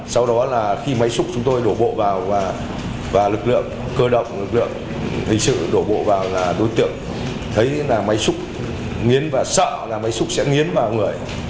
sau đó là khi máy xúc chúng tôi đổ bộ vào và lực lượng cơ động lực lượng hình sự đổ bộ vào là đối tượng thấy là máy xúc nghiến và sợ là máy xúc sẽ nghiến vào người